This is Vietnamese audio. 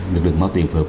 được được mạo tìm phục